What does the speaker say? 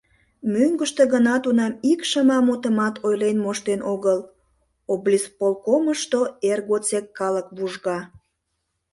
Мӧҥгыштӧ гына тунам ик шыма мутымат ойлен моштен огылОблисполкомышто эр годсек калык вужга.